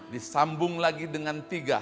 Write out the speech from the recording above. disambung lagi dengan tiga